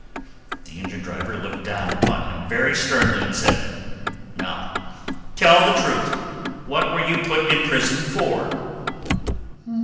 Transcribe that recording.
The engine driver looked down upon him very sternly, and said, "Now tell the truth; what were you put in prison for?"